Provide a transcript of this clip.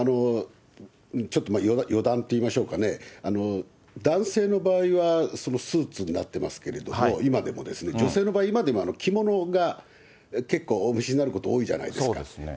ちょっと余談といいましょうかね、男性の場合はスーツになってますけれども、今でもですね、女性の場合は、今でも着物が結構、お召しになること多いじゃないですか。